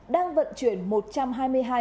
đang vận chuyển một trăm hai mươi hai bình